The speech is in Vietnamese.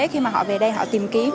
khi mà họ về đây họ tìm kiếm